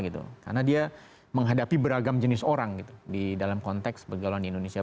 karena dia menghadapi beragam jenis orang di dalam konteks pergelangan indonesia